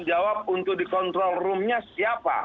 jawab untuk dikontrol roomnya siapa